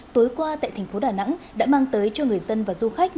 tối qua tại tp đà nẵng đã mang tới cho người dân và du khách